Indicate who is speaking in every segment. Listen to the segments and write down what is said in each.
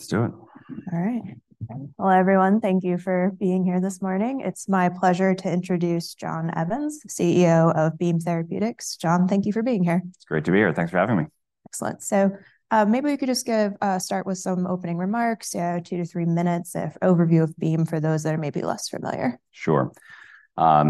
Speaker 1: Let's do it.
Speaker 2: All right. Well, everyone, thank you for being here this morning. It's my pleasure to introduce John Evans, CEO of Beam Therapeutics. John, thank you for being here.
Speaker 1: It's great to be here. Thanks for having me.
Speaker 2: Excellent. So, maybe we could just start with some opening remarks, yeah, two to three minutes of overview of Beam for those that are maybe less familiar.
Speaker 1: Sure.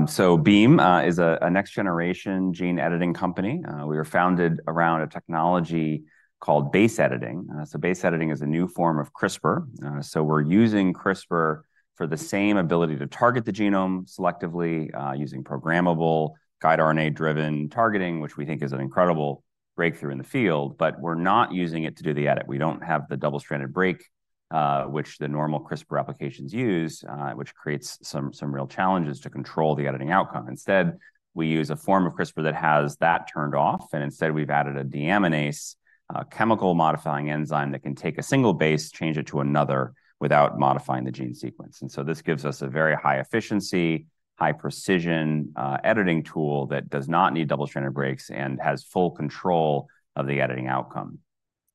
Speaker 1: So Beam is a next generation gene editing company. We were founded around a technology called base editing. So base editing is a new form of CRISPR. So we're using CRISPR for the same ability to target the genome selectively, using programmable guide RNA-driven targeting, which we think is an incredible breakthrough in the field, but we're not using it to do the edit. We don't have the double-stranded break, which the normal CRISPR applications use, which creates some real challenges to control the editing outcome. Instead, we use a form of CRISPR that has that turned off, and instead, we've added a deaminase, a chemical modifying enzyme that can take a single base, change it to another without modifying the gene sequence. And so this gives us a very high efficiency, high precision, editing tool that does not need double-stranded breaks and has full control of the editing outcome.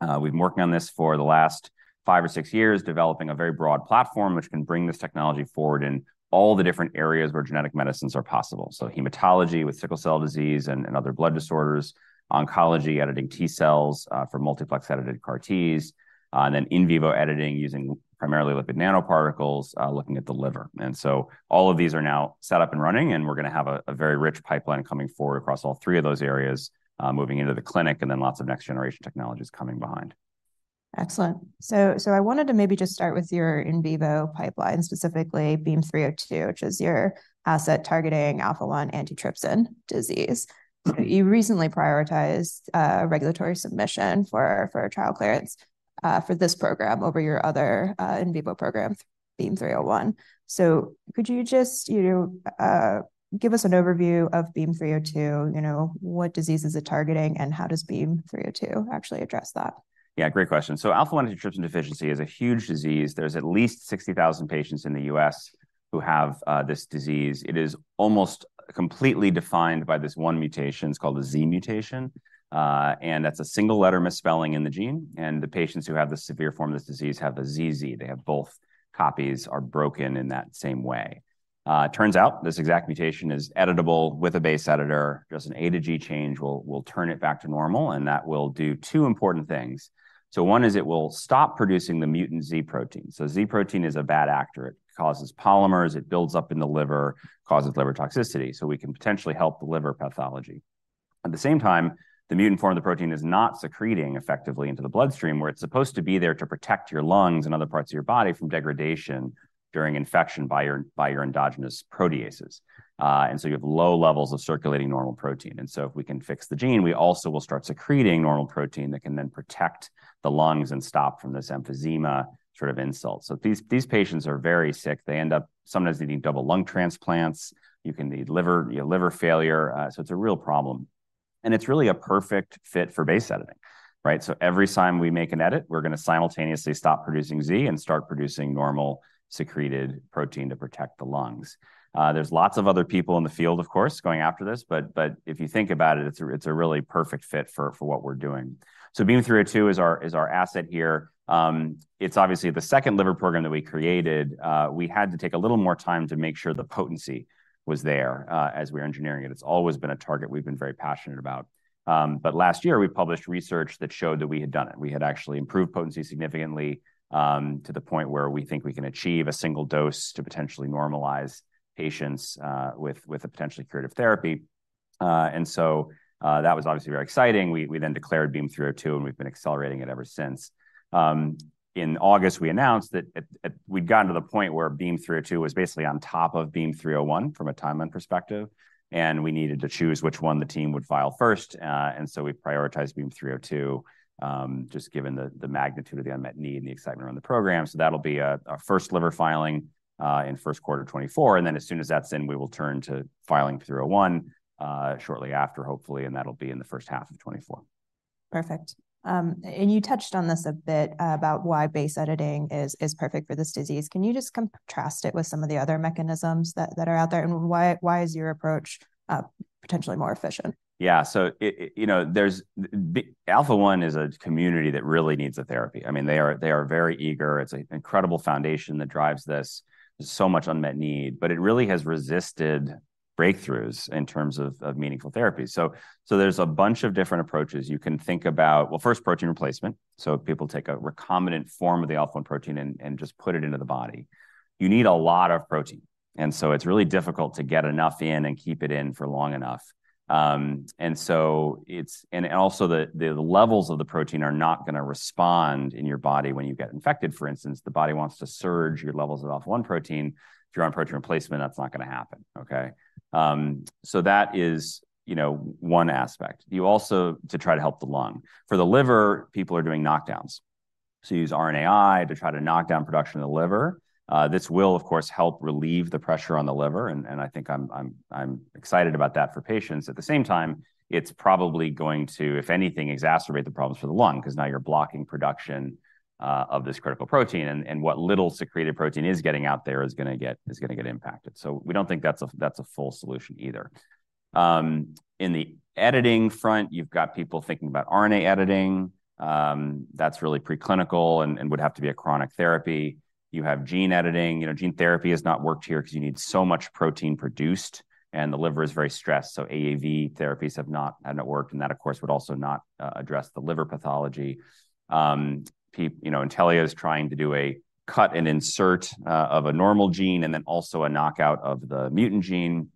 Speaker 1: We've been working on this for the last five or six years, developing a very broad platform, which can bring this technology forward in all the different areas where genetic medicines are possible. So hematology with sickle cell disease and other blood disorders, oncology, editing T-cells, for multiplex edited CAR-Ts, and then in vivo editing using primarily lipid nanoparticles, looking at the liver. And so all of these are now set up and running, and we're going to have a very rich pipeline coming forward across all three of those areas, moving into the clinic, and then lots of next-generation technologies coming behind.
Speaker 2: Excellent. I wanted to maybe just start with your in vivo pipeline, specifically, BEAM-302, which is your asset targeting Alpha-1 Antitrypsin disease. You recently prioritized regulatory submission for a trial clearance for this program over your other in vivo program, BEAM-301. So could you just, you know, give us an overview of BEAM-302, you know, what disease is it targeting, and how does BEAM-302 actually address that?
Speaker 1: Yeah, great question. So Alpha-1 Antitrypsin Deficiency is a huge disease. There's at least 60,000 patients in the U.S. who have this disease. It is almost completely defined by this one mutation. It's called a Z mutation, and that's a single letter misspelling in the gene, and the patients who have the severe form of this disease have a ZZ. They have both copies are broken in that same way. It turns out this exact mutation is editable with a base editor. Just an A to G change will turn it back to normal, and that will do two important things. So one is it will stop producing the mutant Z protein. So Z protein is a bad actor. It causes polymers, it builds up in the liver, causes liver toxicity, so we can potentially help the liver pathology. At the same time, the mutant form of the protein is not secreting effectively into the bloodstream, where it's supposed to be there to protect your lungs and other parts of your body from degradation during infection by your, by your endogenous proteases. And so you have low levels of circulating normal protein. And so if we can fix the gene, we also will start secreting normal protein that can then protect the lungs and stop from this emphysema sort of insult. So these, these patients are very sick. They end up sometimes needing double lung transplants, you can need liver, you know, liver failure, so it's a real problem. And it's really a perfect fit for base editing, right? So every time we make an edit, we're going to simultaneously stop producing Z and start producing normal secreted protein to protect the lungs. There's lots of other people in the field, of course, going after this, but, but if you think about it, it's a, it's a really perfect fit for, for what we're doing. So Beam-302 is our, is our asset here. It's obviously the second liver program that we created. We had to take a little more time to make sure the potency was there, as we were engineering it. It's always been a target we've been very passionate about. But last year, we published research that showed that we had done it. We had actually improved potency significantly, to the point where we think we can achieve a single dose to potentially normalize patients, with, with a potentially curative therapy. And so, that was obviously very exciting. We then declared BEAM-302, and we've been accelerating it ever since. In August, we announced that we'd gotten to the point where BEAM-302 was basically on top of BEAM-301 from a timeline perspective, and we needed to choose which one the team would file first, and so we prioritised BEAM-302, just given the magnitude of the unmet need and the excitement around the program. So that'll be our first liver filing in first quarter 2024, and then as soon as that's in, we will turn to filing 301 shortly after, hopefully, and that'll be in the first half of 2024.
Speaker 2: Perfect. And you touched on this a bit about why base editing is perfect for this disease. Can you just contrast it with some of the other mechanisms that are out there, and why is your approach potentially more efficient?
Speaker 1: Yeah. So, you know, there's the alpha-1 community that really needs a therapy. I mean, they are very eager. It's an incredible foundation that drives this. There's so much unmet need, but it really has resisted breakthroughs in terms of meaningful therapy. So there's a bunch of different approaches. You can think about, well, first, protein replacement. So people take a recombinant form of the alpha-1 protein and just put it into the body. You need a lot of protein, and so it's really difficult to get enough in and keep it in for long enough. And so it's... And also, the levels of the protein are not going to respond in your body when you get infected, for instance. The body wants to surge your levels of alpha-1 protein. If you're on protein replacement, that's not going to happen, okay? So that is, you know, one aspect. You also to try to help the lung. For the liver, people are doing knockdowns. So you use RNAi to try to knock down production in the liver. This will, of course, help relieve the pressure on the liver, and I think I'm excited about that for patients. At the same time, it's probably going to, if anything, exacerbate the problems for the lung because now you're blocking production of this critical protein, and what little secreted protein is getting out there is going to get impacted. So we don't think that's a full solution either. In the editing front, you've got people thinking about RNA editing. That's really preclinical and would have to be a chronic therapy. You have gene editing. You know, gene therapy has not worked here because you need so much protein produced, and the liver is very stressed, so AAV therapies have not worked, and that, of course, would also not address the liver pathology. You know, Intellia is trying to do a cut and insert of a normal gene and then also a knockout of the mutant gene,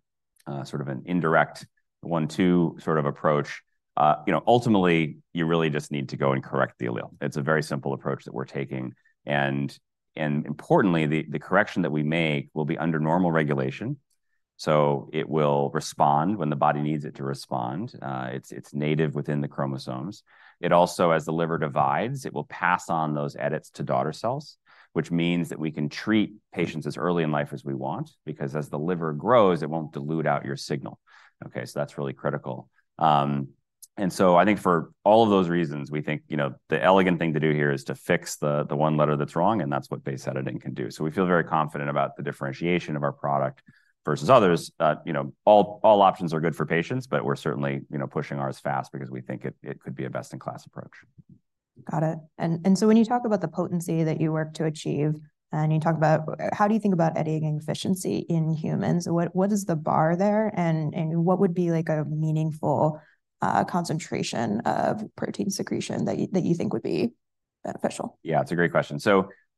Speaker 1: sort of an indirect one-two sort of approach. You know, ultimately, you really just need to go and correct the allele. It's a very simple approach that we're taking, and importantly, the correction that we make will be under normal regulation, so it will respond when the body needs it to respond. It's native within the chromosomes. It also, as the liver divides, it will pass on those edits to daughter cells, which means that we can treat patients as early in life as we want, because as the liver grows, it won't dilute out your signal. Okay, so that's really critical. And so I think for all of those reasons, we think, you know, the elegant thing to do here is to fix the one letter that's wrong, and that's what base editing can do. So we feel very confident about the differentiation of our product versus others. You know, all options are good for patients, but we're certainly, you know, pushing ours fast because we think it could be a best-in-class approach.
Speaker 2: Got it. So when you talk about the potency that you work to achieve, and you talk about. How do you think about editing efficiency in humans? What is the bar there, and what would be, like, a meaningful concentration of protein secretion that you think would be beneficial?
Speaker 1: Yeah, it's a great question.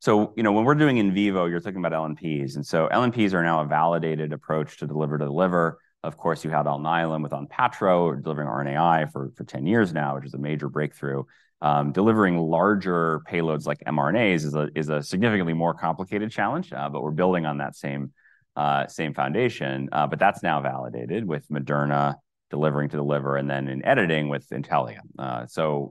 Speaker 1: You know, when we're doing in vivo, you're talking about LNPs. LNPs are now a validated approach to deliver to the liver. Of course, you had Alnylam with Onpattro, delivering RNAi for ten years now, which is a major breakthrough. Delivering larger payloads like mRNAs is a significantly more complicated challenge, but we're building on that same foundation. That's now validated with Moderna delivering to the liver and then in editing with Intellia.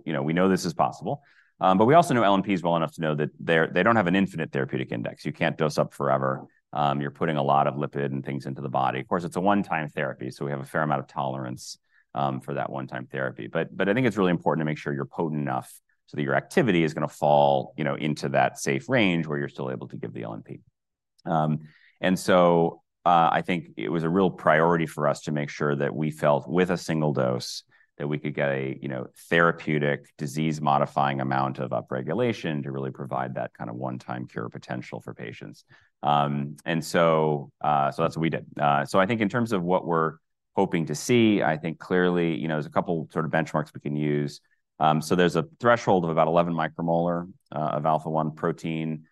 Speaker 1: You know, we know this is possible, but we also know LNPs well enough to know that they don't have an infinite therapeutic index. You can't dose up forever. You're putting a lot of lipid and things into the body. Of course, it's a one-time therapy, so we have a fair amount of tolerance for that one-time therapy. But I think it's really important to make sure you're potent enough so that your activity is gonna fall, you know, into that safe range where you're still able to give the LNP. And so, I think it was a real priority for us to make sure that we felt, with a single dose, that we could get a, you know, therapeutic, disease-modifying amount of upregulation to really provide that kind of one-time cure potential for patients. And so, so that's what we did. So I think in terms of what we're hoping to see, I think clearly, you know, there's a couple sort of benchmarks we can use. So there's a threshold of about 11 micromolar of alpha-1 protein.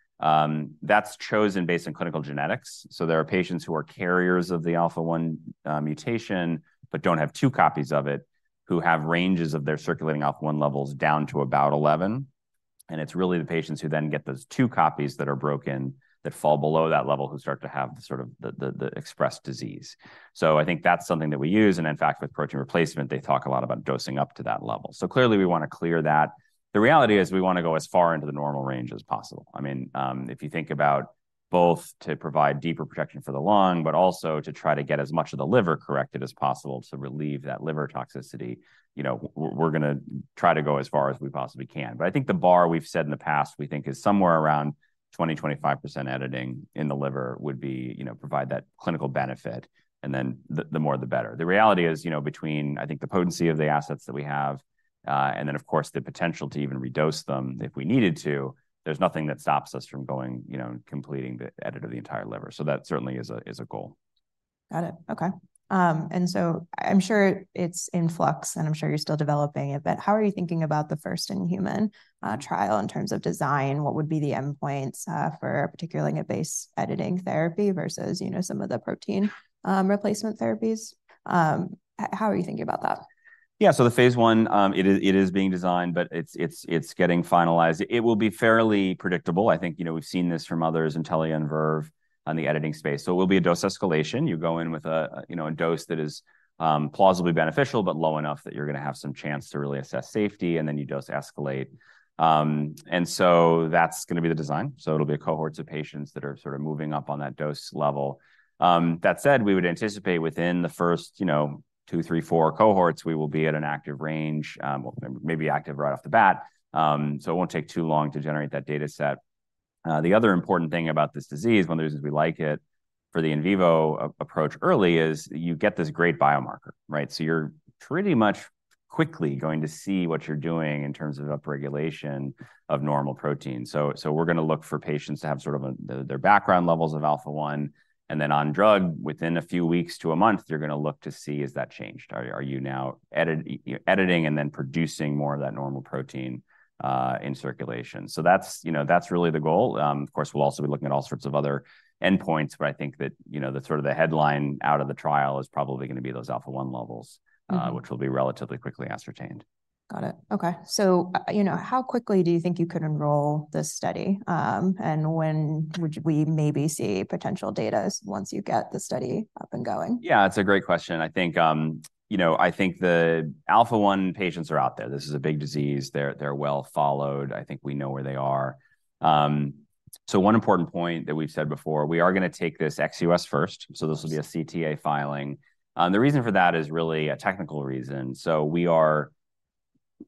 Speaker 1: That's chosen based on clinical genetics. So there are patients who are carriers of the Alpha-1 mutation, but don't have two copies of it, who have ranges of their circulating Alpha-1 levels down to about 11. And it's really the patients who then get those two copies that are broken, that fall below that level, who start to have the sort of expressed disease. So I think that's something that we use, and in fact, with protein replacement, they talk a lot about dosing up to that level. So clearly, we wanna clear that. The reality is we wanna go as far into the normal range as possible. I mean, if you think about both to provide deeper protection for the lung, but also to try to get as much of the liver corrected as possible to relieve that liver toxicity, you know, we're gonna try to go as far as we possibly can. But I think the bar we've said in the past, we think, is somewhere around 20%-25% editing in the liver would be... you know, provide that clinical benefit, and then the more, the better. The reality is, you know, between, I think, the potency of the assets that we have, and then, of course, the potential to even redose them if we needed to, there's nothing that stops us from going, you know, completing the edit of the entire liver. So that certainly is a goal.
Speaker 2: Got it. Okay. And so I'm sure it's in flux, and I'm sure you're still developing it, but how are you thinking about the first-in-human trial in terms of design? What would be the endpoints for particularly a base editing therapy versus, you know, some of the protein replacement therapies? How are you thinking about that?
Speaker 1: Yeah, so the phase I is being designed, but it's getting finalized. It will be fairly predictable. I think, you know, we've seen this from others, Intellia and Verve, on the editing space. So it will be a dose escalation. You go in with a, you know, a dose that is plausibly beneficial, but low enough that you're gonna have some chance to really assess safety, and then you dose escalate. And so that's gonna be the design. So it'll be cohorts of patients that are sort of moving up on that dose level. That said, we would anticipate within the first, you know, two, three, four cohorts, we will be at an active range, well, maybe active right off the bat. So it won't take too long to generate that data set. The other important thing about this disease, one of the reasons we like it for the in vivo approach early, is you get this great biomarker, right? So you're pretty much quickly going to see what you're doing in terms of upregulation of normal protein. So we're gonna look for patients to have sort of their background levels of Alpha-1, and then on drug, within a few weeks to a month, you're gonna look to see, has that changed? Are you now editing and then producing more of that normal protein in circulation? So that's, you know, that's really the goal. Of course, we'll also be looking at all sorts of other endpoints, but I think that, you know, the sort of the headline out of the trial is probably gonna be those Alpha-1 levels-
Speaker 2: Mm-hmm
Speaker 1: Which will be relatively quickly ascertained.
Speaker 2: Got it. Okay. So, you know, how quickly do you think you could enroll this study? And when would we maybe see potential data once you get the study up and going?
Speaker 1: Yeah, it's a great question. I think, you know, I think the Alpha-1 patients are out there. This is a big disease. They're, they're well followed. I think we know where they are. So one important point that we've said before, we are gonna take this ex-U.S. first, so this will be a CTA filing. The reason for that is really a technical reason. So we are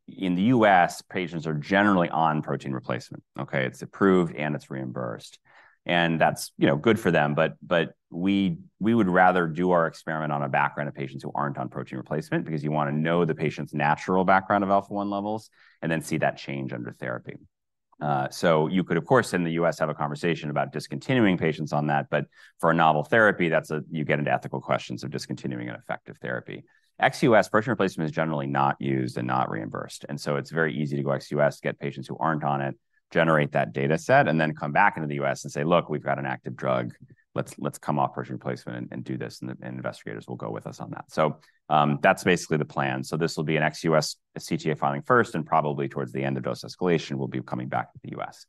Speaker 1: in the U.S., patients are generally on protein replacement, okay? It's approved, and it's reimbursed, and that's, you know, good for them. But, but we, we would rather do our experiment on a background of patients who aren't on protein replacement, because you wanna know the patient's natural background of Alpha-1 levels, and then see that change under therapy. So you could, of course, in the U.S., have a conversation about discontinuing patients on that, but for a novel therapy, that's you get into ethical questions of discontinuing an effective therapy. Ex-U.S., protein replacement is generally not used and not reimbursed, and so it's very easy to go ex-U.S., get patients who aren't on it, generate that data set, and then come back into the U.S. and say, "Look, we've got an active drug. Let's come off protein replacement and do this," and investigators will go with us on that. So that's basically the plan. So this will be an ex-U.S. CTA filing first, and probably towards the end of dose escalation, we'll be coming back to the U.S.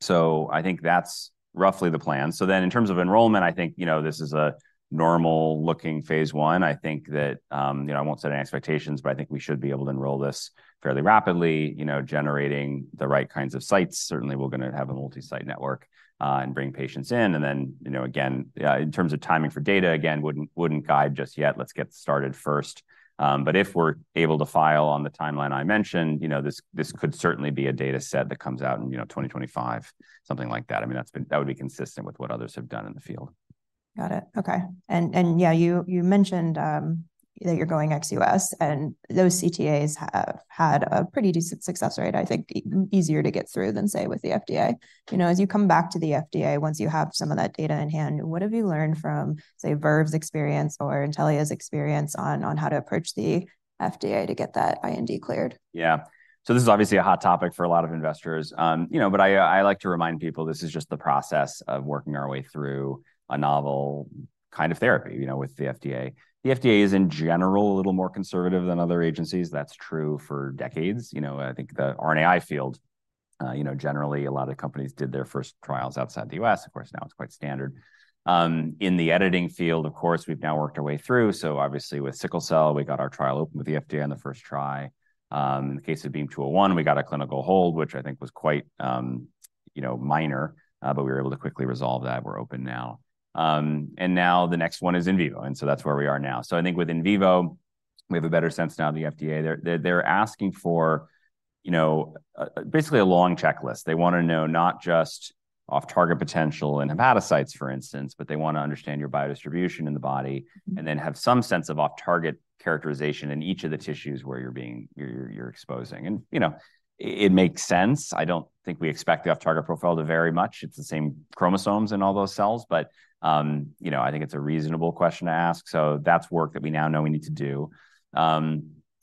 Speaker 1: So I think that's roughly the plan. So then, in terms of enrollment, I think, you know, this is a normal-looking phase 1. I think that, you know, I won't set any expectations, but I think we should be able to enroll this fairly rapidly, you know, generating the right kinds of sites. Certainly, we're gonna have a multi-site network, and bring patients in. And then, you know, again, in terms of timing for data, again, wouldn't guide just yet. Let's get started first. But if we're able to file on the timeline I mentioned, you know, this, this could certainly be a data set that comes out in, you know, 2025, something like that. I mean, that's been. That would be consistent with what others have done in the field.
Speaker 2: Got it. Okay. Yeah, you mentioned that you're going ex-US, and those CTAs have had a pretty decent success rate, I think, easier to get through than, say, with the FDA. You know, as you come back to the FDA, once you have some of that data in hand, what have you learned from, say, Verve's experience or Intellia's experience on how to approach the FDA to get that IND cleared?
Speaker 1: Yeah. So this is obviously a hot topic for a lot of investors. You know, but I like to remind people, this is just the process of working our way through a novel kind of therapy, you know, with the FDA. The FDA is, in general, a little more conservative than other agencies. That's true for decades. You know, I think the RNAi field, you know, generally, a lot of companies did their first trials outside the U.S. Of course, now it's quite standard. In the editing field, of course, we've now worked our way through, so obviously, with sickle cell, we got our trial open with the FDA on the first try. In the case of BEAM-201, we got a clinical hold, which I think was quite, you know, minor, but we were able to quickly resolve that. We're open now. And now the next one is in vivo, and so that's where we are now. So I think with in vivo, we have a better sense now of the FDA. They're asking for, you know, basically a long checklist. They wanna know not just off-target potential in hepatocytes, for instance, but they wanna understand your biodistribution in the body-
Speaker 2: Mm-hmm.
Speaker 1: And then have some sense of off-target characterization in each of the tissues where you're exposing. And, you know, it makes sense. I don't think we expect the off-target profile to vary much. It's the same chromosomes in all those cells, but, you know, I think it's a reasonable question to ask, so that's work that we now know we need to do.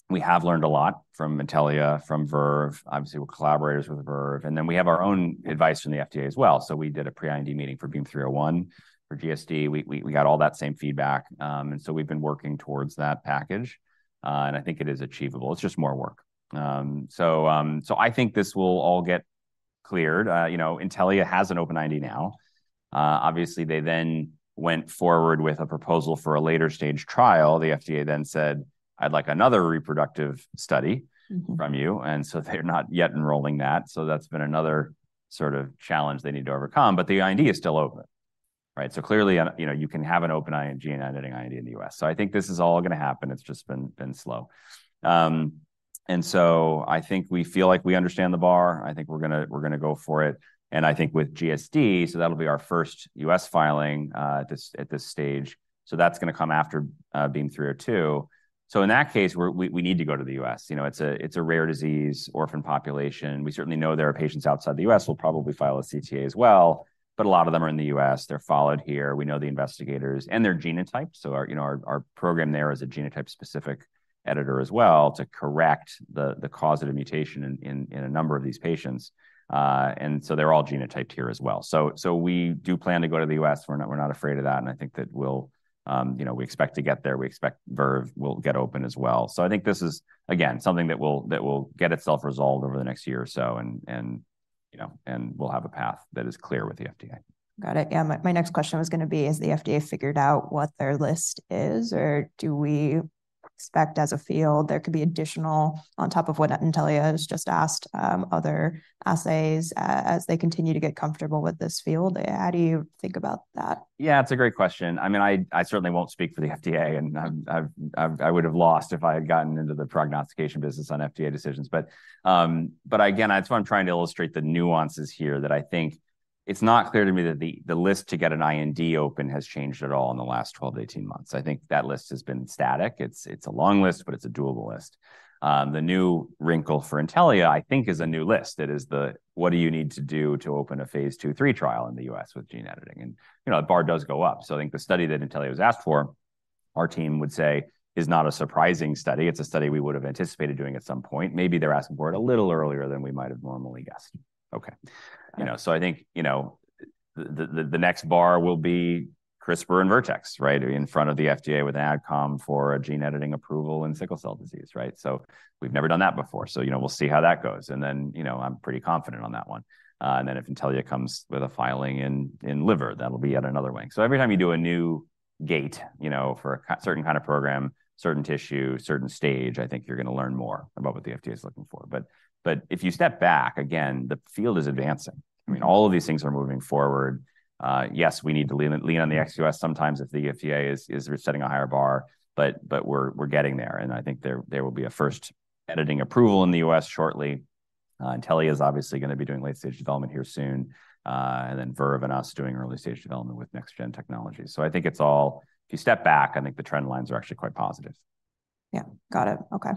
Speaker 1: We have learned a lot from Intellia, from Verve. Obviously, we're collaborators with Verve, and then we have our own advice from the FDA as well. So we did a pre-IND meeting for BEAM-301. For GSD, we got all that same feedback, and so we've been working towards that package, and I think it is achievable. It's just more work. So I think this will all get cleared. You know, Intellia has an open IND now. Obviously, they then went forward with a proposal for a later-stage trial. The FDA then said, "I'd like another reproductive study from you," and so they're not yet enrolling that. So that's been another sort of challenge they need to overcome, but the IND is still open, right? So clearly, you know, you can have an open gene-editing IND in the U.S.. So I think this is all gonna happen. It's just been slow. And so I think we feel like we understand the bar, I think we're gonna go for it, and I think with GSD, so that'll be our first U.S. filing, at this stage. So that's gonna come after BEAM-302. So in that case, we need to go to the U.S.. You know, it's a rare disease, orphan population. We certainly know there are patients outside the U.S.. We'll probably file a CTA as well, but a lot of them are in the U.S.. They're followed here, we know the investigators, and their genotype. So our, you know, program there is a genotype-specific editor as well to correct the causative mutation in a number of these patients. And so they're all genotyped here as well. So we do plan to go to the U.S. We're not afraid of that, and I think that we'll, you know, we expect to get there. We expect Verve will get open as well. So I think this is, again, something that will get itself resolved over the next year or so, and, you know, and we'll have a path that is clear with the FDA.
Speaker 2: Got it. Yeah. My next question was gonna be: Has the FDA figured out what their list is, or do we expect, as a field, there could be additional on top of what Intellia has just asked, other assays as they continue to get comfortable with this field? How do you think about that?
Speaker 1: Yeah, it's a great question. I mean, I certainly won't speak for the FDA, and I've, I would've lost if I had gotten into the prognostication business on FDA decisions. But again, that's what I'm trying to illustrate the nuances here, that I think it's not clear to me that the list to get an IND open has changed at all in the last 12-18 months. I think that list has been static. It's a long list, but it's a doable list. The new wrinkle for Intellia, I think, is a new list. It is the, what do you need to do to open a phase II, III trial in the U.S. with gene editing? And, you know, the bar does go up. So I think the study that Intellia has asked for, our team would say, is not a surprising study. It's a study we would've anticipated doing at some point. Maybe they're asking for it a little earlier than we might have normally guessed. Okay.
Speaker 2: Yeah.
Speaker 1: You know, so I think, you know, the next bar will be CRISPR and Vertex, right? In front of the FDA with an adcom for a gene editing approval in sickle cell disease, right? So we've never done that before, so, you know, we'll see how that goes. And then, you know, I'm pretty confident on that one. And then if Intellia comes with a filing in liver, that'll be yet another win. So every time you do a new gate, you know, for a certain kind of program, certain tissue, certain stage, I think you're gonna learn more about what the FDA is looking for. But if you step back, again, the field is advancing. I mean, all of these things are moving forward. Yes, we need to lean on the ex-U.S. sometimes if the FDA is setting a higher bar, but we're getting there, and I think there will be a first editing approval in the U.S. shortly. Intellia is obviously going to be doing late-stage development here soon, and then Verve and us doing early-stage development with next-gen technology. So I think it's all, if you step back, I think the trend lines are actually quite positive.
Speaker 2: Yeah. Got it. Okay.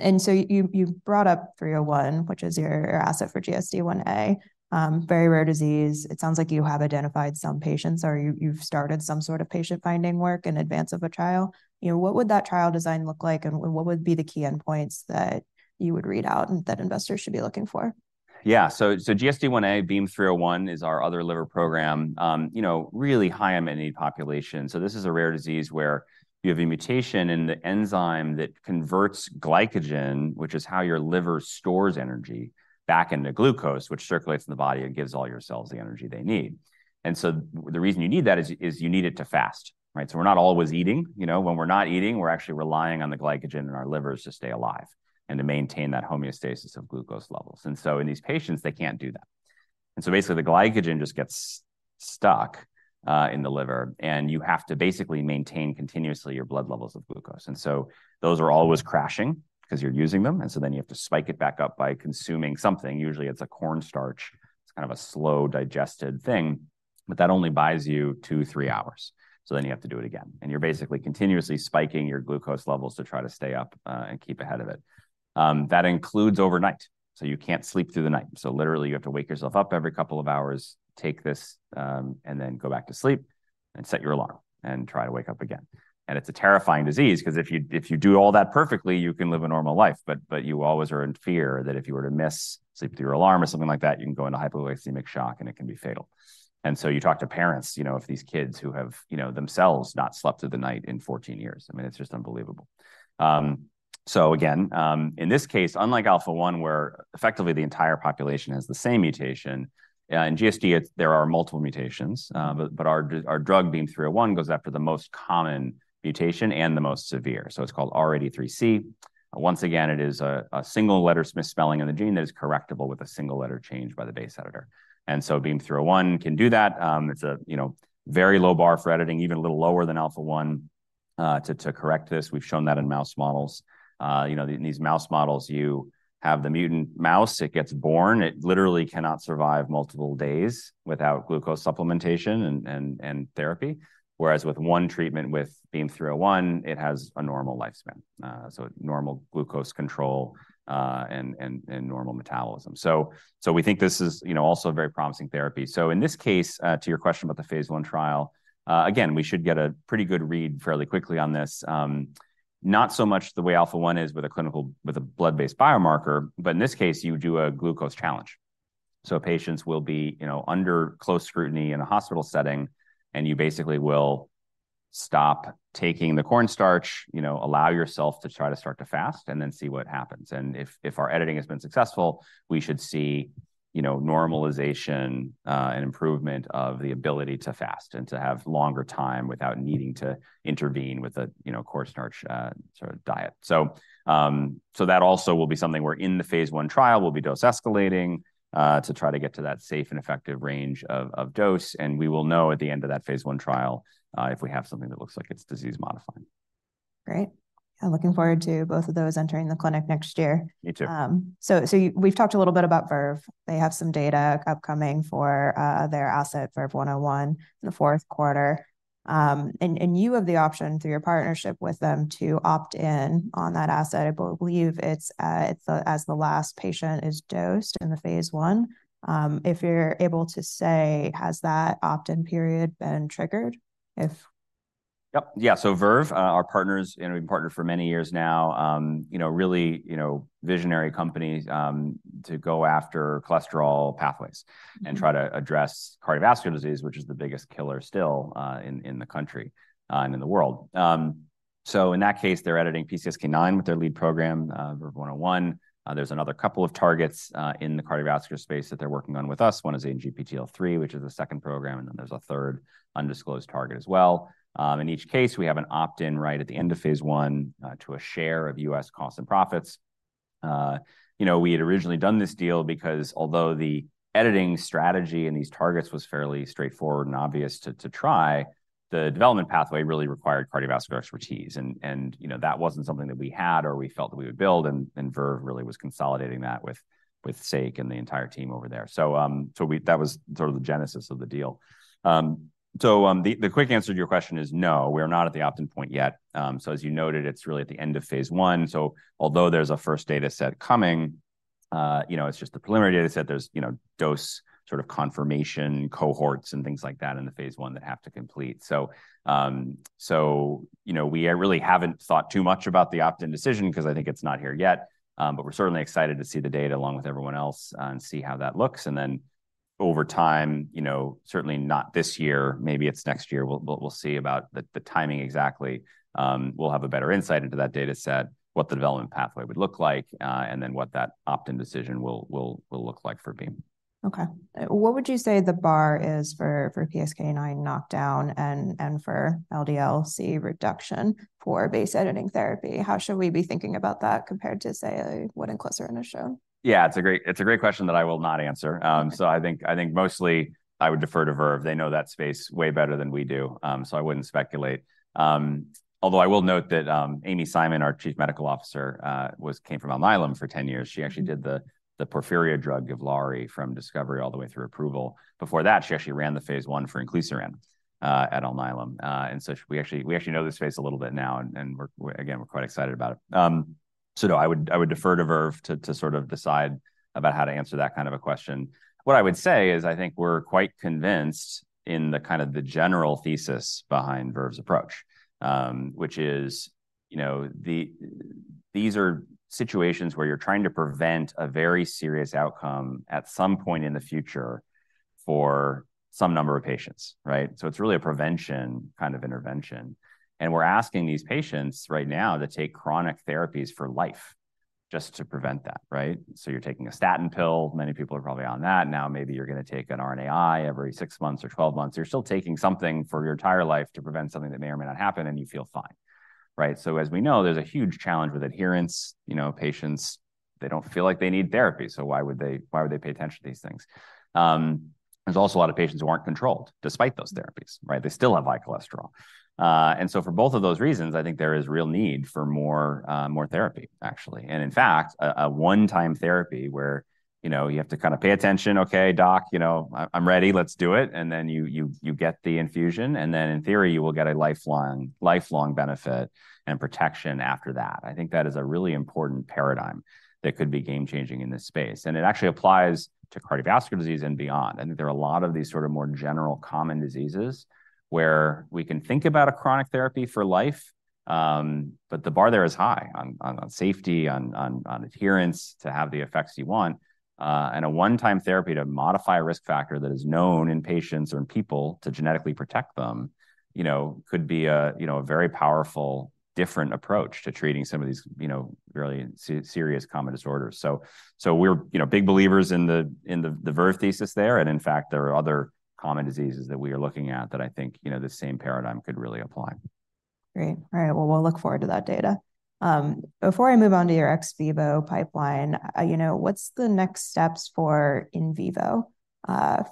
Speaker 2: And so you, you've brought up 301, which is your, your asset for GSD Ia, very rare disease. It sounds like you have identified some patients or you, you've started some sort of patient-finding work in advance of a trial. You know, what would that trial design look like, and what would be the key endpoints that you would read out and that investors should be looking for?
Speaker 1: Yeah. So, GSD Ia, BEAM-301, is our other liver program. You know, really high amenity population. So this is a rare disease where you have a mutation in the enzyme that converts glycogen, which is how your liver stores energy, back into glucose, which circulates in the body and gives all your cells the energy they need. And so the reason you need that is you need it to fast, right? So we're not always eating. You know, when we're not eating, we're actually relying on the glycogen in our livers to stay alive and to maintain that homeostasis of glucose levels. And so in these patients, they can't do that. And so basically, the glycogen just gets stuck in the liver, and you have to basically maintain continuously your blood levels of glucose. Those are always crashing because you're using them, and so then you have to spike it back up by consuming something. Usually, it's a cornstarch. It's kind of a slow-digested thing, but that only buys you two to three hours, so then you have to do it again. And you're basically continuously spiking your glucose levels to try to stay up, and keep ahead of it. That includes overnight, so you can't sleep through the night. So literally, you have to wake yourself up every couple of hours, take this, and then go back to sleep, and set your alarm, and try to wake up again. It's a terrifying disease because if you do all that perfectly, you can live a normal life, but you always are in fear that if you were to miss—sleep through your alarm or something like that, you can go into hypoglycemic shock, and it can be fatal. So you talk to parents, you know, of these kids who have, you know, themselves not slept through the night in 14 years. I mean, it's just unbelievable. So again, in this case, unlike Alpha-1, where effectively the entire population has the same mutation, in GSD, it's—there are multiple mutations, but our drug, BEAM-301, goes after the most common mutation and the most severe, so it's called R83C. Once again, it is a single letter spelling in the gene that is correctable with a single letter change by the base editor. And so BEAM-301 can do that. It's a, you know, very low bar for editing, even a little lower than Alpha-1, to correct this. We've shown that in mouse models. You know, in these mouse models, you have the mutant mouse, it gets born, it literally cannot survive multiple days without glucose supplementation and therapy, whereas with one treatment, with BEAM-301, it has a normal lifespan, so normal glucose control, and normal metabolism. So we think this is, you know, also a very promising therapy. So in this case, to your question about the phase I trial, again, we should get a pretty good read fairly quickly on this. Not so much the way Alpha-1 is with a blood-based biomarker, but in this case, you do a glucose challenge. So patients will be, you know, under close scrutiny in a hospital setting, and you basically will stop taking the cornstarch, you know, allow yourself to try to start to fast, and then see what happens. And if our editing has been successful, we should see, you know, normalization and improvement of the ability to fast and to have longer time without needing to intervene with a, you know, cornstarch sort of diet. So, so that also will be something where in the phase I trial, we'll be dose escalating, to try to get to that safe and effective range of, of dose, and we will know at the end of that phase I trial, if we have something that looks like it's disease-modifying.
Speaker 2: Great. I'm looking forward to both of those entering the clinic next year.
Speaker 1: Me too.
Speaker 2: So, we've talked a little bit about Verve. They have some data upcoming for their asset, VERVE-101, in the fourth quarter. And you have the option, through your partnership with them, to opt in on that asset. I believe it's as the last patient is dosed in the phase I. If you're able to say, has that opt-in period been triggered? If-
Speaker 1: Yep. Yeah, so Verve, our partners, and we've been partnered for many years now, you know, really, you know, visionary company, to go after cholesterol pathways-
Speaker 2: Mm-hmm
Speaker 1: And try to address cardiovascular disease, which is the biggest killer still, in the country, and in the world. So in that case, they're editing PCSK9 with their lead program, VERVE-101. There's another couple of targets in the cardiovascular space that they're working on with us. One is ANGPTL3, which is the second program, and then there's a third undisclosed target as well. In each case, we have an opt-in right at the end of Phase I to a share of U.S. costs and profits. You know, we had originally done this deal because although the editing strategy in these targets was fairly straightforward and obvious to try, the development pathway really required cardiovascular expertise. You know, that wasn't something that we had or we felt that we would build, and Verve really was consolidating that with Sek and the entire team over there. So, that was sort of the genesis of the deal. So, the quick answer to your question is no, we are not at the opt-in point yet. So as you noted, it's really at the end of phase I. So although there's a first data set coming, you know, it's just the preliminary data set. There's, you know, dose sort of confirmation cohorts and things like that in the phase I that have to complete. So, you know, we really haven't thought too much about the opt-in decision because I think it's not here yet. But we're certainly excited to see the data along with everyone else, and see how that looks. And then over time, you know, certainly not this year, maybe it's next year, we'll see about the timing exactly. We'll have a better insight into that data set, what the development pathway would look like, and then what that opt-in decision will look like for Beam.
Speaker 2: Okay. What would you say the bar is for, for PCSK9 knockdown and, and for LDL-C reduction for base editing therapy? How should we be thinking about that compared to, say, a wouldn't inclisiran show?
Speaker 1: Yeah, it's a great, it's a great question that I will not answer. So I think mostly I would defer to Verve. They know that space way better than we do. So I wouldn't speculate. Although I will note that, Amy Simon, our Chief Medical Officer, came from Alnylam for 10 years. She actually did the porphyria drug, Givlaari, from discovery all the way through approval. Before that, she actually ran the phase I for inclisiran at Alnylam. And so we actually know this space a little bit now, and we're, again, quite excited about it. So no, I would defer to Verve to sort of decide about how to answer that kind of a question. What I would say is, I think we're quite convinced in the kind of the general thesis behind Verve's approach, which is, you know, the, these are situations where you're trying to prevent a very serious outcome at some point in the future for some number of patients, right? So it's really a prevention kind of intervention. And we're asking these patients right now to take chronic therapies for life just to prevent that, right? So you're taking a statin pill, many people are probably on that. Now, maybe you're going to take an RNAi every six months or 12 months. You're still taking something for your entire life to prevent something that may or may not happen, and you feel fine, right? So as we know, there's a huge challenge with adherence. You know, patients, they don't feel like they need therapy, so why would they pay attention to these things? There's also a lot of patients who aren't controlled despite those therapies, right? They still have high cholesterol. And so for both of those reasons, I think there is real need for more therapy, actually. And in fact, a one-time therapy where, you know, you have to kind of pay attention, "Okay, doc, you know, I'm ready. Let's do it," and then you get the infusion, and then in theory, you will get a lifelong benefit and protection after that. I think that is a really important paradigm that could be game-changing in this space, and it actually applies to cardiovascular disease and beyond. I think there are a lot of these sort of more general common diseases where we can think about a chronic therapy for life, but the bar there is high on safety, on adherence to have the effects you want. And a one-time therapy to modify a risk factor that is known in patients or in people to genetically protect them, you know, could be a, you know, a very powerful, different approach to treating some of these, you know, really serious common disorders. So, we're, you know, big believers in the, in the Verve thesis there, and in fact, there are other common diseases that we are looking at that I think, you know, the same paradigm could really apply.
Speaker 2: Great. All right, well, we'll look forward to that data. Before I move on to your ex vivo pipeline, you know, what's the next steps for in vivo,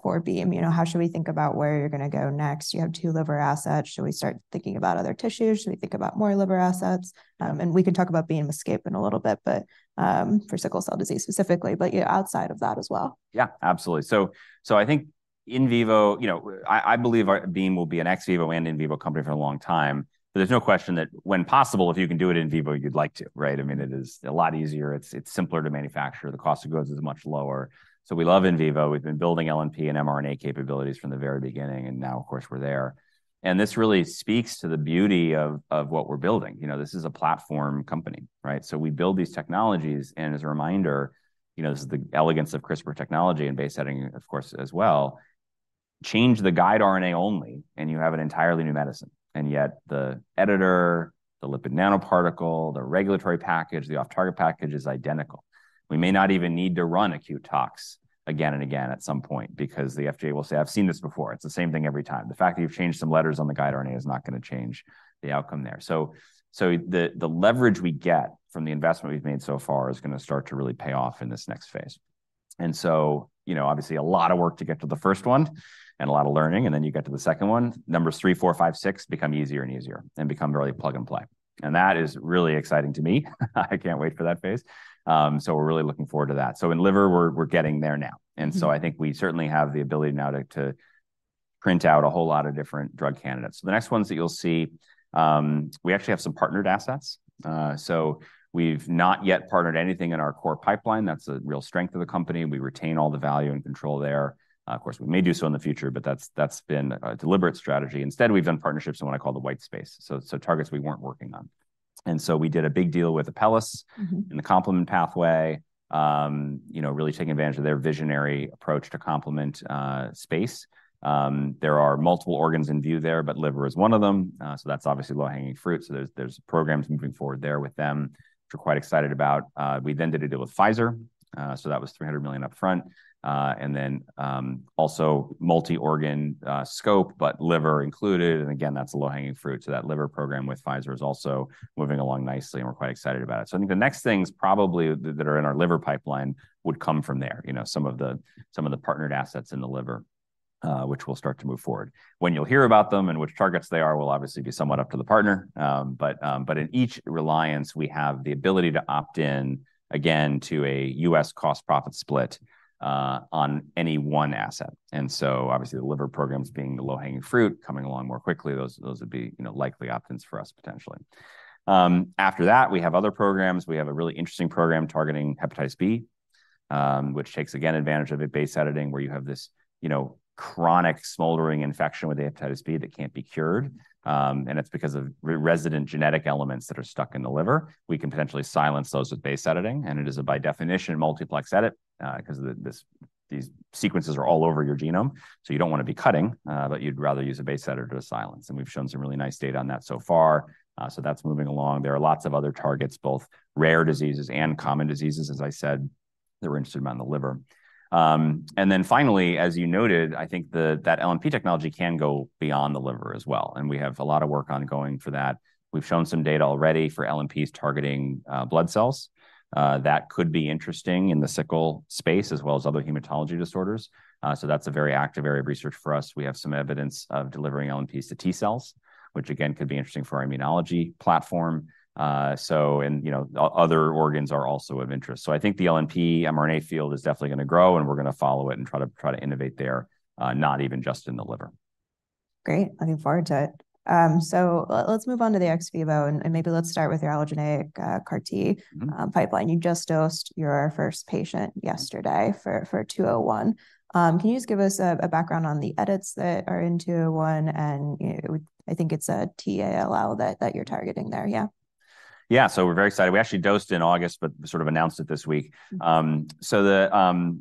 Speaker 2: for Beam? You know, how should we think about where you're going to go next? You have two liver assets. Should we start thinking about other tissues? Should we think about more liver assets? And we can talk about Beam ESCAPE in a little bit, but, for sickle cell disease specifically, but, yeah, outside of that as well.
Speaker 1: Yeah, absolutely. So I think in vivo, you know, I believe our Beam will be an ex vivo and in vivo company for a long time. But there's no question that when possible, if you can do it in vivo, you'd like to, right? I mean, it is a lot easier. It's simpler to manufacture. The cost of goods is much lower. So we love in vivo. We've been building LNP and mRNA capabilities from the very beginning, and now, of course, we're there. And this really speaks to the beauty of what we're building. You know, this is a platform company, right? So we build these technologies, and as a reminder, you know, this is the elegance of CRISPR technology and base editing, of course, as well. Change the guide RNA only, and you have an entirely new medicine. And yet the editor, the lipid nanoparticle, the regulatory package, the off-target package is identical. We may not even need to run acute tox again and again at some point because the FDA will say, "I've seen this before. It's the same thing every time." The fact that you've changed some letters on the guide RNA is not going to change the outcome there. So the leverage we get from the investment we've made so far is going to start to really pay off in this next phase. And so, you know, obviously, a lot of work to get to the first one and a lot of learning, and then you get to the second one. Numbers three, four, five, six become easier and easier and become really plug and play. And that is really exciting to me. I can't wait for that phase. So we're really looking forward to that. So in liver, we're getting there now. And so I think we certainly have the ability now to print out a whole lot of different drug candidates. The next ones that you'll see, we actually have some partnered assets. So we've not yet partnered anything in our core pipeline. That's a real strength of the company. We retain all the value and control there. Of course, we may do so in the future, but that's been a deliberate strategy. Instead, we've done partnerships in what I call the white space, so targets we weren't working on. And so we did a big deal with Apellis-
Speaker 2: Mm-hmm.
Speaker 1: In the complement pathway, you know, really taking advantage of their visionary approach to complement space. There are multiple organs in view there, but liver is one of them. So that's obviously low-hanging fruit, so there's programs moving forward there with them, which we're quite excited about. We then did a deal with Pfizer, so that was $300 million upfront, and then also multi-organ scope, but liver included. And again, that's a low-hanging fruit. So that liver program with Pfizer is also moving along nicely, and we're quite excited about it. So I think the next things probably that are in our liver pipeline would come from there, you know, some of the partnered assets in the liver, which will start to move forward. When you'll hear about them and which targets they are, will obviously be somewhat up to the partner. But, but in each alliance, we have the ability to opt in again to a U.S. cost profit split, on any one asset. And so obviously, the liver programs being the low-hanging fruit, coming along more quickly, those, those would be, you know, likely opt-ins for us, potentially. After that, we have other programs. We have a really interesting program targeting hepatitis B, which takes, again, advantage of a base editing, where you have this, you know, chronic smoldering infection with the hepatitis B that can't be cured. And it's because of resident genetic elements that are stuck in the liver. We can potentially silence those with base editing, and it is by definition a multiplex edit, 'cause these sequences are all over your genome, so you don't want to be cutting, but you'd rather use a base editor to silence. And we've shown some really nice data on that so far. So that's moving along. There are lots of other targets, both rare diseases and common diseases as I said, that we're interested about in the liver. And then finally, as you noted, I think that LNP technology can go beyond the liver as well, and we have a lot of work ongoing for that. We've shown some data already for LNPs targeting blood cells. That could be interesting in the sickle space, as well as other hematology disorders. So that's a very active area of research for us. We have some evidence of delivering LNPs to T cells, which again, could be interesting for our immunology platform. You know, other organs are also of interest. So I think the LNP, mRNA field is definitely going to grow, and we're going to follow it and try to innovate there, not even just in the liver.
Speaker 2: Great, looking forward to it. So let's move on to the ex vivo, and maybe let's start with your allogeneic CAR-T-
Speaker 1: Mm-hmm.
Speaker 2: Pipeline. You just dosed your first patient yesterday for 201. Can you just give us a background on the edits that are in 201, and, you know, I think it's a T-ALL that you're targeting there, yeah?
Speaker 1: Yeah. So we're very excited. We actually dosed in August, but sort of announced it this week.
Speaker 2: Mm-hmm.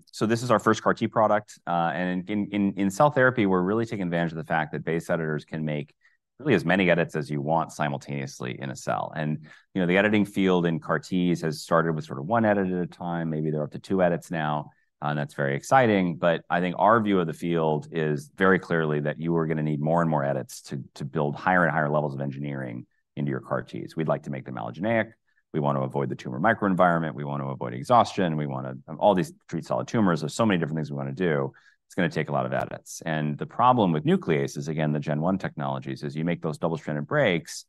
Speaker 1: So this is our first CAR-T product. And in cell therapy, we're really taking advantage of the fact that base editors can make really as many edits as you want simultaneously in a cell. And, you know, the editing field in CAR-Ts has started with sort of one edit at a time, maybe they're up to two edits now, and that's very exciting. But I think our view of the field is very clearly that you are going to need more and more edits to build higher and higher levels of engineering into your CAR-Ts. We'd like to make them allogeneic. We want to avoid the tumor microenvironment, we want to avoid exhaustion, we want to... all these treat solid tumors. There's so many different things we want to do, it's going to take a lot of edits. The problem with nuclease is, again, the gen one technologies, is you make those double-stranded breaks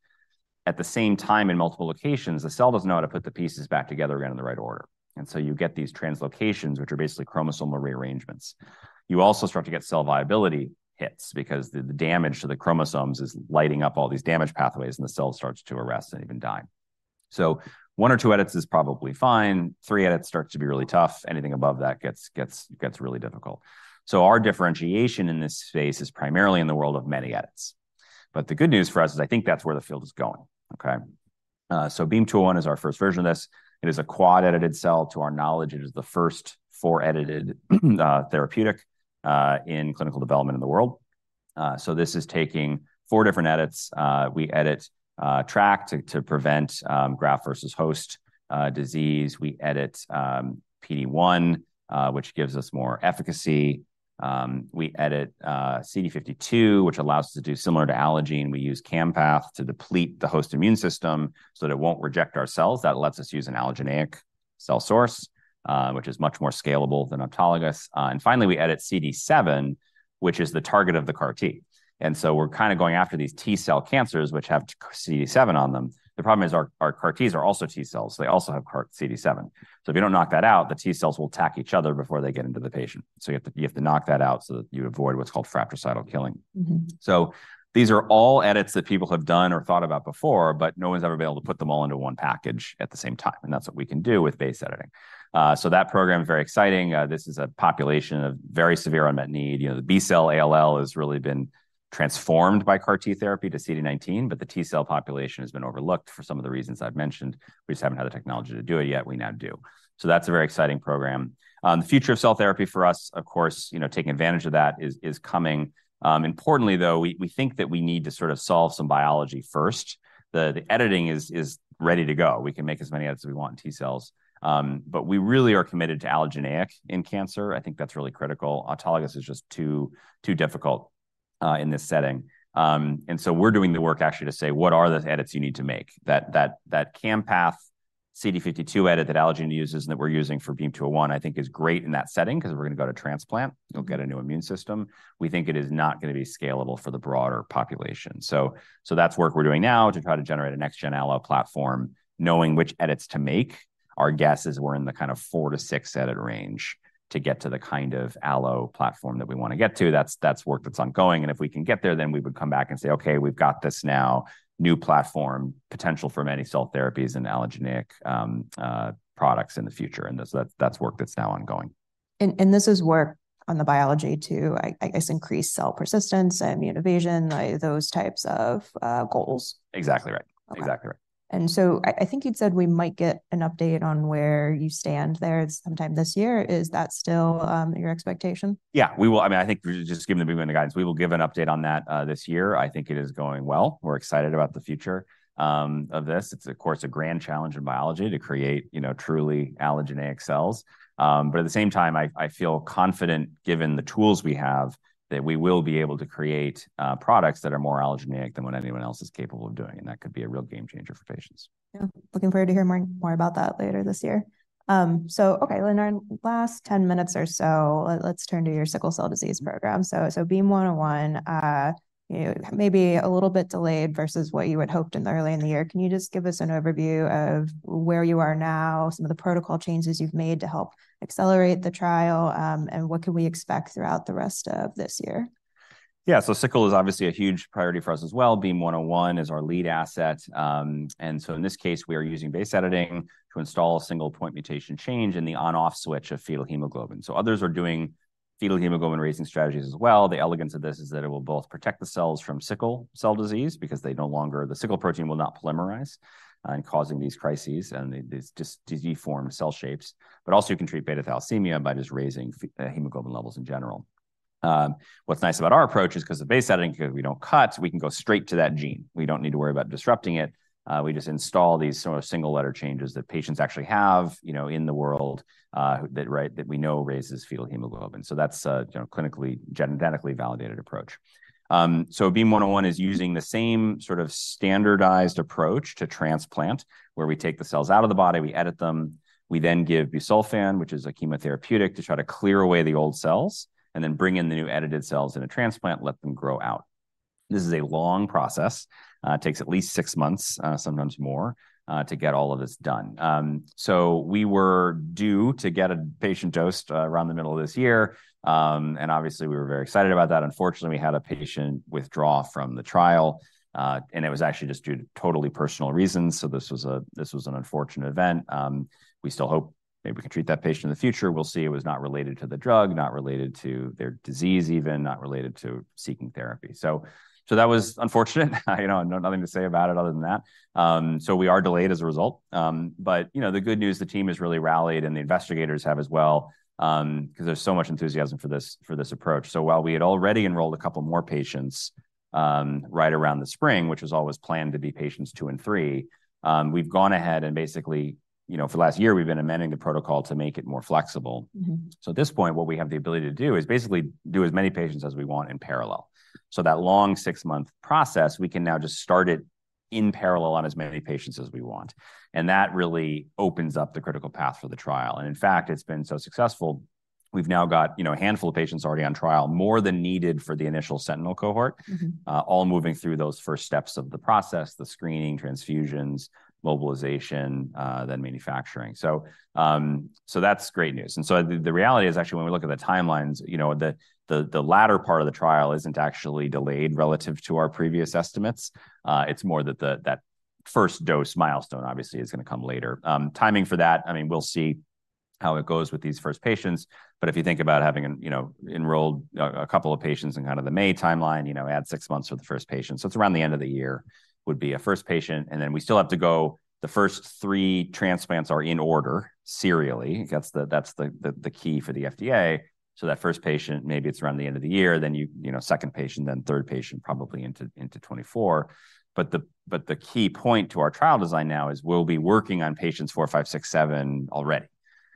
Speaker 1: at the same time in multiple locations, the cell doesn't know how to put the pieces back together again in the right order. And so you get these translocations, which are basically chromosomal rearrangements. You also start to get cell viability hits because the damage to the chromosomes is lighting up all these damage pathways, and the cell starts to arrest and even die. So one or two edits is probably fine, three edits start to be really tough, anything above that gets really difficult. So our differentiation in this space is primarily in the world of many edits. But the good news for us is I think that's where the field is going, okay? So BEAM-201 is our first version of this. It is a quad-edited cell. To our knowledge, it is the first four-edited therapeutic in clinical development in the world. So this is taking four different edits. We edit CD52 to prevent graft-versus-host disease. We edit PD-1, which gives us more efficacy. We edit CD52, which allows us to do similar to allogeneic, and we use Campath to deplete the host immune system so that it won't reject our cells. That lets us use an allogeneic cell source, which is much more scalable than autologous. And finally, we edit CD7, which is the target of the CAR-T. And so we're kind of going after these T cell cancers, which have CD7 on them. The problem is our CAR-Ts are also T cells, so they also have CD7. So if you don't knock that out, the T cells will attack each other before they get into the patient. So you have to, you have to knock that out so that you avoid what's called fratricidal killing.
Speaker 2: Mm-hmm.
Speaker 1: So these are all edits that people have done or thought about before, but no one's ever been able to put them all into one package at the same time, and that's what we can do with base editing. So that program is very exciting. This is a population of very severe unmet need. You know, the B-cell ALL has really been transformed by CAR-T therapy to CD19, but the T-cell population has been overlooked for some of the reasons I've mentioned. We just haven't had the technology to do it yet. We now do. So that's a very exciting program. The future of cell therapy for us, of course, you know, taking advantage of that is, is coming. Importantly, though, we, we think that we need to sort of solve some biology first. The, the editing is, is ready to go. We can make as many edits as we want in T cells. But we really are committed to allogeneic in cancer. I think that's really critical. Autologous is just too, too difficult in this setting. And so we're doing the work actually to say: What are the edits you need to make? That Campath CD52 edit that Allogene uses and that we're using for BEAM-201, I think is great in that setting because we're going to go to transplant.
Speaker 2: Mm-hmm.
Speaker 1: You'll get a new immune system. We think it is not going to be scalable for the broader population. So that's work we're doing now to try to generate a next-gen allo platform, knowing which edits to make. Our guess is we're in the kind of four to six edit range to get to the kind of allo platform that we want to get to. That's work that's ongoing, and if we can get there, then we would come back and say, "Okay, we've got this now, new platform, potential for many cell therapies and allogeneic products in the future." That's work that's now ongoing.
Speaker 2: This is work on the biology to, I guess, increase cell persistence, immune evasion, like those types of goals?
Speaker 1: Exactly right.
Speaker 2: Okay.
Speaker 1: Exactly right.
Speaker 2: And so I think you'd said we might get an update on where you stand there sometime this year. Is that still, your expectation?
Speaker 1: Yeah, we will. I mean, I think just given the movement guidance, we will give an update on that, this year. I think it is going well. We're excited about the future of this. It's of course, a grand challenge in biology to create, you know, truly allogeneic cells. But at the same time, I feel confident, given the tools we have, that we will be able to create products that are more allogeneic than what anyone else is capable of doing, and that could be a real game changer for patients.
Speaker 2: Yeah. Looking forward to hear more about that later this year. So okay, in our last 10 minutes or so, let's turn to your sickle cell disease program. So BEAM-101, you know, maybe a little bit delayed versus what you had hoped early in the year. Can you just give us an overview of where you are now, some of the protocol changes you've made to help accelerate the trial, and what can we expect throughout the rest of this year?
Speaker 1: Yeah. Sickle is obviously a huge priority for us as well. BEAM-101 is our lead asset. In this case, we are using base editing to install a single point mutation change in the on/off switch of fetal hemoglobin. Others are doing fetal hemoglobin-raising strategies as well. The elegance of this is that it will both protect the cells from sickle cell disease because they no longer. The sickle protein will not polymerize, causing these crises and these deformed cell shapes, but also you can treat beta thalassemia by just raising hemoglobin levels in general. What's nice about our approach is because the base editing, because we don't cut, we can go straight to that gene. We don't need to worry about disrupting it. We just install these sort of single letter changes that patients actually have, you know, in the world, right, that we know raises fetal hemoglobin. So that's a, you know, clinically, genetically validated approach. So BEAM-101 is using the same sort of standardized approach to transplant, where we take the cells out of the body, we edit them, we then give busulfan, which is a chemotherapeutic, to try to clear away the old cells, and then bring in the new edited cells in a transplant, let them grow out. This is a long process. It takes at least six months, sometimes more, to get all of this done. So we were due to get a patient dosed around the middle of this year, and obviously, we were very excited about that. Unfortunately, we had a patient withdraw from the trial, and it was actually just due to totally personal reasons, so this was an unfortunate event. We still hope maybe we can treat that patient in the future. We'll see. It was not related to the drug, not related to their disease even, not related to seeking therapy. So that was unfortunate. You know, nothing to say about it other than that. So we are delayed as a result. But, you know, the good news, the team has really rallied, and the investigators have as well, 'cause there's so much enthusiasm for this, for this approach. While we had already enrolled a couple more patients, right around the spring, which was always planned to be patients two and three, we've gone ahead and basically, you know, for the last year, we've been amending the protocol to make it more flexible.
Speaker 2: Mm-hmm.
Speaker 1: So at this point, what we have the ability to do is basically do as many patients as we want in parallel. So that long six-month process, we can now just start it in parallel on as many patients as we want, and that really opens up the critical path for the trial. And in fact, it's been so successful, we've now got, you know, a handful of patients already on trial, more than needed for the initial sentinel cohort-
Speaker 2: Mm-hmm.
Speaker 1: All moving through those first steps of the process, the screening, transfusions, mobilization, then manufacturing. So, that's great news. And so the reality is actually, when we look at the timelines, you know, the latter part of the trial isn't actually delayed relative to our previous estimates. It's more that the first dose milestone, obviously, is gonna come later. Timing for that, I mean, we'll see how it goes with these first patients, but if you think about having, you know, enrolled a couple of patients in kind of the May timeline, you know, add six months for the first patient. So it's around the end of the year would be a first patient, and then we still have to go... The first three transplants are in order, serially. That's the key for the FDA. So that first patient, maybe it's around the end of the year, then you know, second patient, then third patient, probably into 2024. But the key point to our trial design now is we'll be working on patients four, five, six, seven already.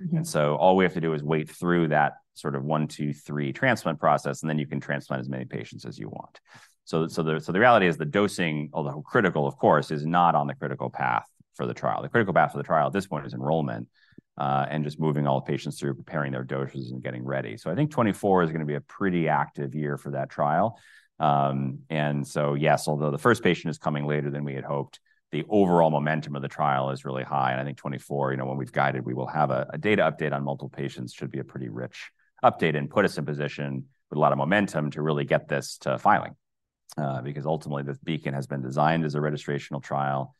Speaker 2: Mm-hmm.
Speaker 1: And so all we have to do is wait through that sort of one, two, three transplant process, and then you can transplant as many patients as you want. So the reality is the dosing, although critical, of course, is not on the critical path for the trial. The critical path for the trial at this point is enrollment, and just moving all the patients through, preparing their doses, and getting ready. So I think 2024 is gonna be a pretty active year for that trial. And so, yes, although the first patient is coming later than we had hoped, the overall momentum of the trial is really high, and I think 2024, you know, when we've guided, we will have a data update on multiple patients, should be a pretty rich update and put us in position with a lot of momentum to really get this to filing. Because ultimately, this BEACON has been designed as a registrational trial.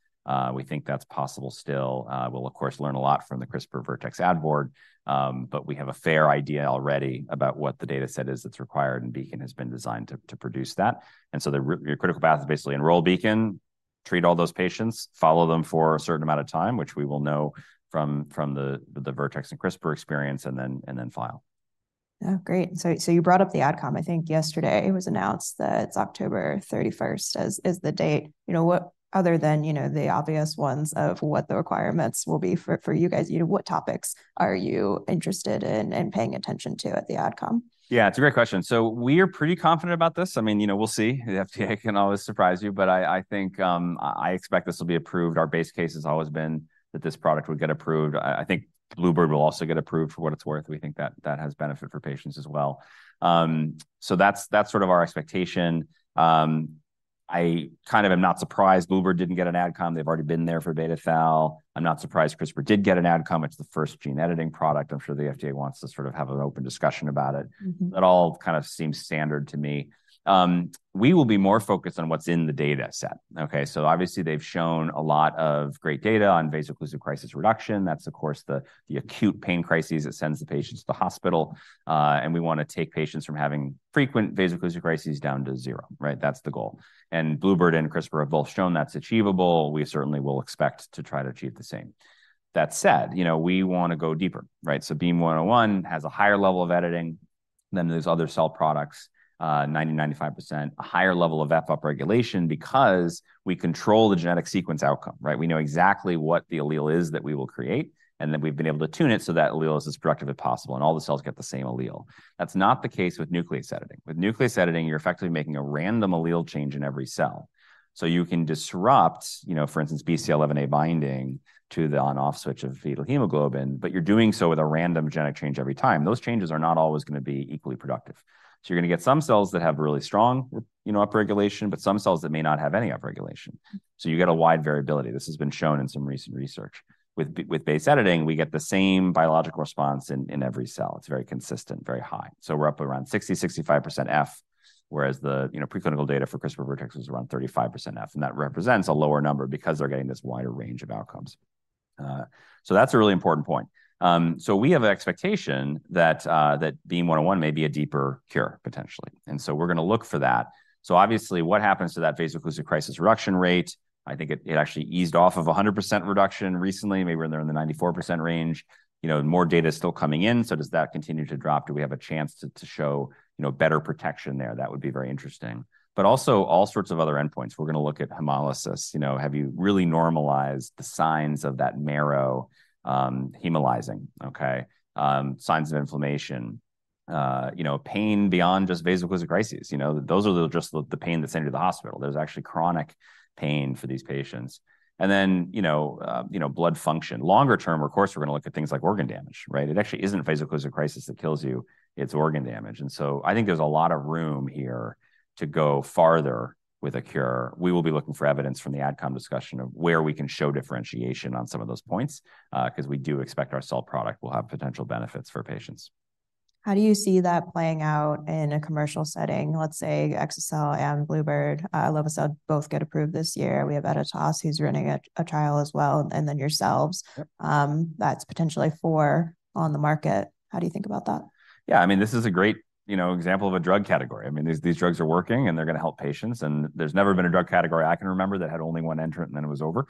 Speaker 1: We think that's possible still. We'll, of course, learn a lot from the CRISPR Vertex ad board, but we have a fair idea already about what the data set is that's required, and BEACON has been designed to produce that. And so your critical path is basically enroll BEACON, treat all those patients, follow them for a certain amount of time, which we will know from the Vertex and CRISPR experience, and then file.
Speaker 2: Oh, great. So, you brought up the AdCom. I think yesterday it was announced that October 31st is the date. You know, what other than, you know, the obvious ones of what the requirements will be for you guys, you know, what topics are you interested in and paying attention to at the AdCom?
Speaker 1: Yeah, it's a great question. So we are pretty confident about this. I mean, you know, we'll see. The FDA can always surprise you, but I think, I expect this will be approved. Our base case has always been that this product would get approved. I think Bluebird will also get approved, for what it's worth. We think that, that has benefit for patients as well. So that's, that's sort of our expectation. I kind of am not surprised Bluebird didn't get an AdCom. They've already been there for beta thal. I'm not surprised CRISPR did get an AdCom. It's the first gene-editing product. I'm sure the FDA wants to sort of have an open discussion about it.
Speaker 2: Mm-hmm.
Speaker 1: It all kind of seems standard to me. We will be more focused on what's in the data set, okay? So obviously, they've shown a lot of great data on vaso-occlusive crisis reduction. That's, of course, the acute pain crises that sends the patients to the hospital. And we wanna take patients from having frequent vaso-occlusive crises down to zero, right? That's the goal. And Bluebird and CRISPR have both shown that's achievable. We certainly will expect to try to achieve the same. That said, you know, we wanna go deeper, right? So BEAM-101 has a higher level of editing than those other cell products, 90%-95%. A higher level of F upregulation because we control the genetic sequence outcome, right? We know exactly what the allele is that we will create, and then we've been able to tune it so that allele is as productive as possible, and all the cells get the same allele. That's not the case with nuclease editing. With nuclease editing, you're effectively making a random allele change in every cell. So you can disrupt, you know, for instance, BCL11A binding to the on/off switch of fetal hemoglobin, but you're doing so with a random genetic change every time. Those changes are not always gonna be equally productive. So you're gonna get some cells that have really strong, you know, upregulation, but some cells that may not have any upregulation. So you get a wide variability. This has been shown in some recent research. With base editing, we get the same biological response in every cell. It's very consistent, very high. So we're up around 60%-65% F, whereas the, you know, preclinical data for CRISPR Vertex was around 35% F, and that represents a lower number because they're getting this wider range of outcomes. So that's a really important point. So we have an expectation that that BEAM-101 may be a deeper cure, potentially, and so we're gonna look for that. So obviously, what happens to that vaso-occlusive crisis reduction rate? I think it actually eased off of a 100% reduction recently, maybe we're in the 94% range. You know, more data is still coming in, so does that continue to drop? Do we have a chance to show, you know, better protection there? That would be very interesting, but also all sorts of other endpoints. We're gonna look at hemolysis. You know, have you really normalized the signs of that marrow hemolyzing, okay? Signs of inflammation, you know, pain beyond just vaso-occlusive crises. You know, those are just the pain that's sent to the hospital. There's actually chronic pain for these patients. And then, you know, you know, blood function. Longer term, of course, we're gonna look at things like organ damage, right? It actually isn't a vaso-occlusive crisis that kills you. It's organ damage. And so I think there's a lot of room here to go farther with a cure. We will be looking for evidence from the AdCom discussion of where we can show differentiation on some of those points, 'cause we do expect our cell product will have potential benefits for patients.
Speaker 2: How do you see that playing out in a commercial setting? Let's say Exa-cel and Bluebird Bio, Lovo-cel, both get approved this year. We have Editas, who's running a trial as well, and then yourselves.
Speaker 1: Yep.
Speaker 2: That's potentially four on the market. How do you think about that?
Speaker 1: Yeah, I mean, this is a great, you know, example of a drug category. I mean, these drugs are working, and they're gonna help patients, and there's never been a drug category I can remember that had only one entrant, and then it was over.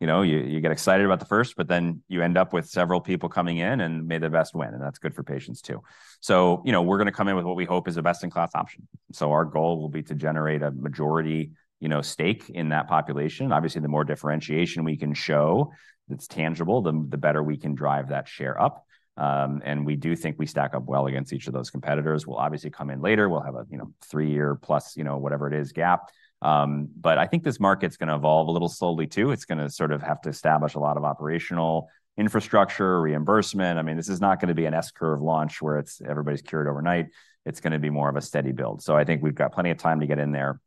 Speaker 1: You know, you get excited about the first, but then you end up with several people coming in, and may the best win, and that's good for patients, too. So, you know, we're gonna come in with what we hope is a best-in-class option. So our goal will be to generate a majority, you know, stake in that population. Obviously, the more differentiation we can show that's tangible, the better we can drive that share up. And we do think we stack up well against each of those competitors. We'll obviously come in later. We'll have a, you know, 3+ year, you know, whatever it is, gap. But I think this market's gonna evolve a little slowly, too. It's gonna sort of have to establish a lot of operational infrastructure, reimbursement. I mean, this is not gonna be an S-curve launch, where it's everybody's cured overnight. It's gonna be more of a steady build. So I think we've got plenty of time to get in there.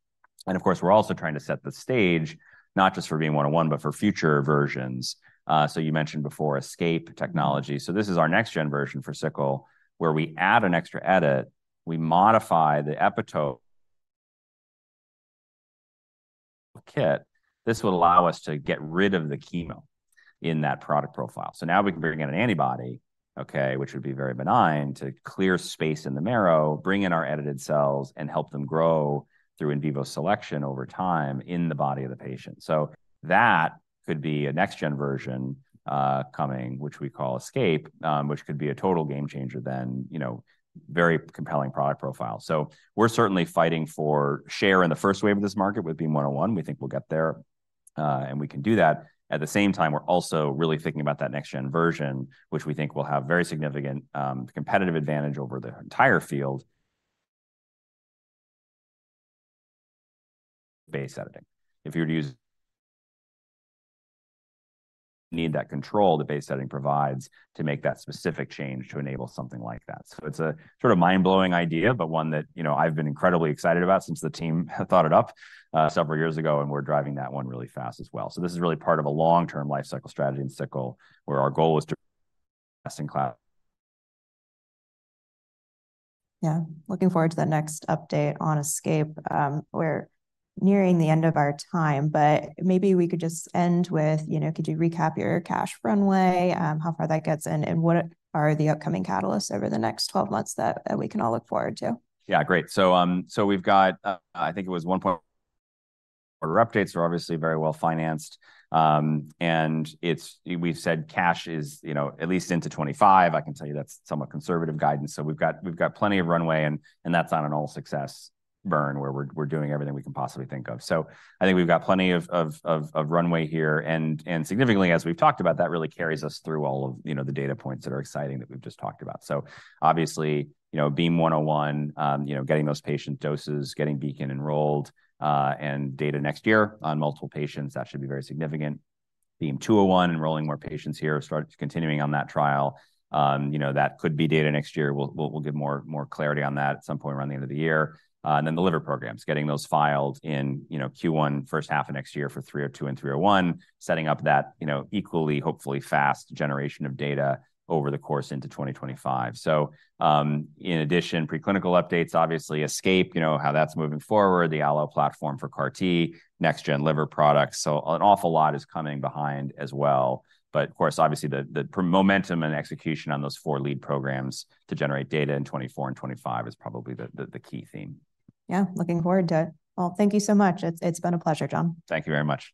Speaker 1: And, of course, we're also trying to set the stage, not just for BEAM-101, but for future versions. So you mentioned before ESCAPE technology. So this is our next-gen version for sickle, where we add an extra edit, we modify the c-Kit. This will allow us to get rid of the chemo in that product profile. So now we can bring in an antibody, okay, which would be very benign, to clear space in the marrow, bring in our edited cells, and help them grow through in vivo selection over time in the body of the patient. So that could be a next-gen version, coming, which we call ESCAPE, which could be a total game changer then, you know, very compelling product profile. So we're certainly fighting for share in the first wave of this market with BEAM-101. We think we'll get there, and we can do that. At the same time, we're also really thinking about that next-gen version, which we think will have very significant, competitive advantage over the entire field. Base editing. If you were to use... need that control the base editing provides to make that specific change to enable something like that. So it's a sort of mind-blowing idea, but one that, you know, I've been incredibly excited about since the team thought it up, several years ago, and we're driving that one really fast as well. So this is really part of a long-term life cycle strategy in sickle, where our goal is to best in class.
Speaker 2: Yeah, looking forward to that next update on ESCAPE. We're nearing the end of our time, but maybe we could just end with, you know, could you recap your cash runway, how far that gets in, and what are the upcoming catalysts over the next 12 months that we can all look forward to?
Speaker 1: Yeah, great. So, so we've got, I think it was Q1 updates. We're obviously very well-financed. And it's. We've said cash is, you know, at least into 2025. I can tell you that's somewhat conservative guidance. So we've got plenty of runway, and, and that's on an all success burn, where we're, we're doing everything we can possibly think of. So I think we've got plenty of runway here, and, and significantly, as we've talked about, that really carries us through all of, you know, the data points that are exciting that we've just talked about. So obviously, you know, BEAM-101, you know, getting those patient doses, getting BEACON enrolled, and data next year on multiple patients, that should be very significant. BEAM-201, enrolling more patients here, start continuing on that trial. You know, that could be data next year. We'll give more clarity on that at some point around the end of the year. And then the liver programs, getting those filed in, you know, Q1, first half of next year for 302 and 301, setting up that, you know, equally, hopefully fast generation of data over the course into 2025. So, in addition, preclinical updates, obviously, ESCAPE, you know, how that's moving forward, the Allo platform for CAR-T, next-gen liver products. So an awful lot is coming behind as well. But, of course, obviously, the momentum and execution on those four lead programs to generate data in 2024 and 2025 is probably the key theme.
Speaker 2: Yeah, looking forward to it. Well, thank you so much. It's, it's been a pleasure, John.
Speaker 1: Thank you very much.